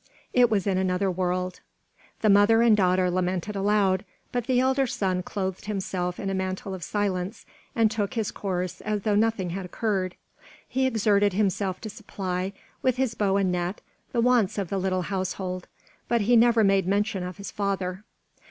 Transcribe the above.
It was in another world. The mother and daughter lamented aloud, but the elder son clothed himself in a mantle of silence and took his course as though nothing had occurred. He exerted himself to supply, with his bow and net, the wants of the little household, but he never made mention of his father.